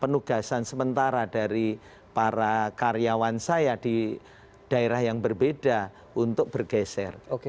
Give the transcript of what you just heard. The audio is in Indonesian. penugasan sementara dari para karyawan saya di daerah yang berbeda untuk bergeser